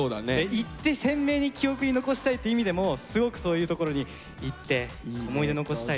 行って鮮明に記憶に残したいっていう意味でもすごくそういう所に行って思い出残したいですね。